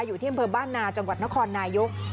อยู่ที่อำเภอบ้านนาจังหวัดนครนายก